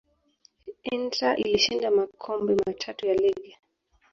inter ilishinda makombe matatu ya ligi